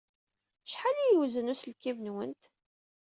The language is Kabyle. Acḥal ay yewzen uselkim-nwent?